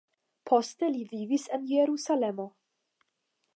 Poste li vivis en Jerusalemo.